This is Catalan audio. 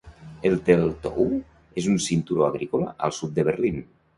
El Teltow és un cinturó agrícola al sud de Berlín.